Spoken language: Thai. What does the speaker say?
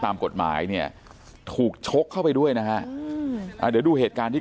ตามกฎหมายเนี่ยถูกชกเข้าไปด้วยนะฮะเดี๋ยวดูเหตุการณ์ที่